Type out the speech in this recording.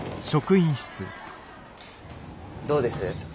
どうです？